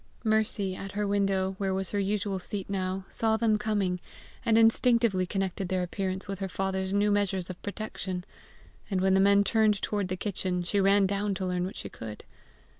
Mercy at her window, where was her usual seat now, saw them coming, and instinctively connected their appearance with her father's new measures of protection; and when the men turned toward the kitchen, she ran down to learn what she could.